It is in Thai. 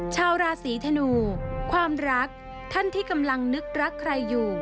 ชาวราศีธนูความรักท่านที่กำลังนึกรักใครอยู่